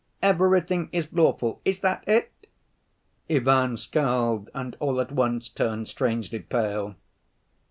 Everything is lawful, is that it?" Ivan scowled, and all at once turned strangely pale.